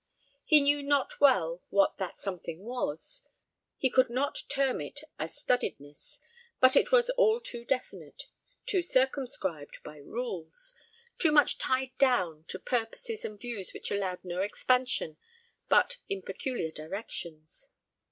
He knew not well what that something was; he could not term it a studiedness, but it was all too definite, too circumscribed by rules, too much tied down to purposes and views which allowed no expansion but in peculiar directions.